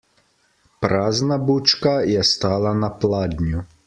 Prazna bučka je stala na pladnju.